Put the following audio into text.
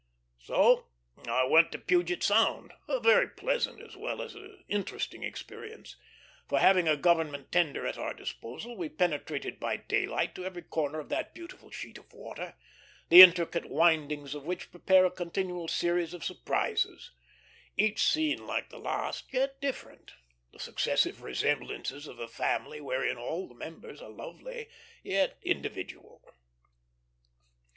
So I went to Puget Sound, a very pleasant as well as interesting experience; for, having a government tender at our disposal, we penetrated by daylight to every corner of that beautiful sheet of water, the intricate windings of which prepare a continual series of surprises; each scene like the last, yet different; the successive resemblances of a family wherein all the members are lovely, yet individual.